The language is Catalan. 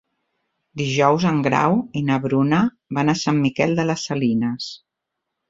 Dijous en Grau i na Bruna van a Sant Miquel de les Salines.